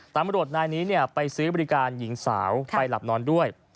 ตำรวจนายนี้ไปซื้อบริการหญิงสาวไปหลับนอนด้วย